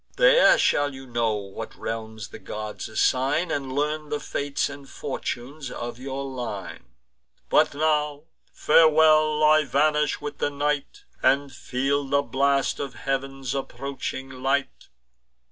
There shall you know what realms the gods assign, And learn the fates and fortunes of your line. But now, farewell! I vanish with the night, And feel the blast of heav'n's approaching light."